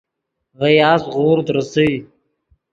ڤے یاسپ غورد ریسئے